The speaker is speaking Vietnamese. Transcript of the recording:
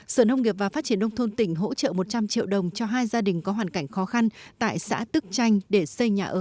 sở nông nghiệp và phát triển nông thôn tỉnh hỗ trợ một trăm linh triệu đồng cho hai gia đình có hoàn cảnh khó khăn tại xã tức chanh để xây nhà ở